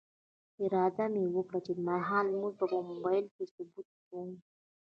اراده مې وکړه چې د ماښام لمونځ به په موبایل کې ثبتوم.